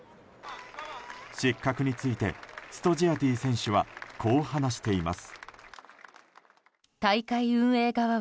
失格についてストジアディ選手はこう話しています。